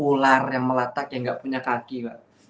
ular yang melatak yang nggak punya kaki pak